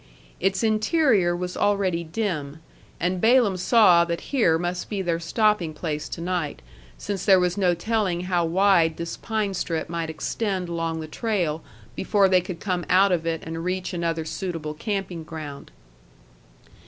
Its interior was already dim, and Balaam saw that here must be their stopping place to night, since there was no telling how wide this pine strip might extend along the trail before they could come out of it and reach another suitable camping ground.